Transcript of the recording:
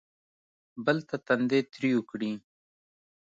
بل ته تندی تریو کړي.